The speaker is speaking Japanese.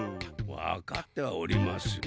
わかってはおりますが。